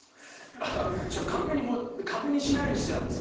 確認確認しないようにしてたんです。